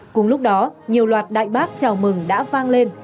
cùng lúc đó nhiều loạt đại bác chào mừng đã vang lên